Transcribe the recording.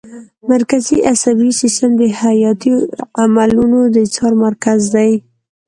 مرکزي عصبي سیستم د حیاتي عملونو د څار مرکز دی